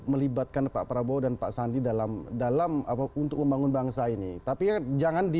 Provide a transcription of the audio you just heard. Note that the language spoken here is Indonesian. melibatkan pak prabowo dan pak sandi dalam dalam apa untuk membangun bangsa ini tapi jangan di